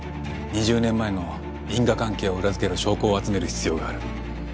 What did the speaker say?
２０年前の因果関係を裏付ける証拠を集める必要がある。